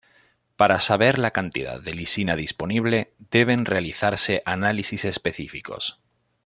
Para saber la cantidad de lisina disponible deben realizarse análisis específicos.